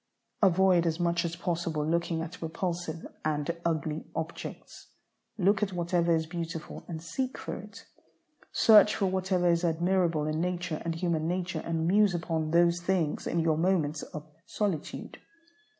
Avoid as much as possible looking at repulsive and ugly objects. Look at whatever is beautiful and seek for it. Search for whatever is admirable in nature and human nature, and muse upon those things in your moments of solitude.